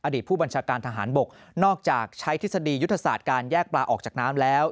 ผู้บัญชาการทหารบกนอกจากใช้ทฤษฎียุทธศาสตร์การแยกปลาออกจากน้ำแล้ว